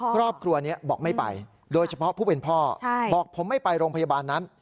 ครอบครัวนี้บอกไม่ไปโดยเฉพาะผู้เป็นพ่อบอกผมไม่ไปโรงพยาบาลนั้น